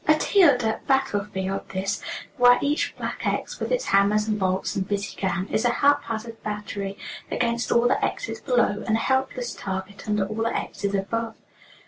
A tiered up battle field, this, where each black X, with its hammers and bolts and busy gang, is a haphazard battery against all the X's below, and a helpless target under all the X's above.